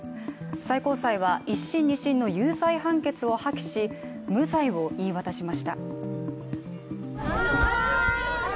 最高裁は、１審２審の有罪判決を破棄し無罪を言い渡しました。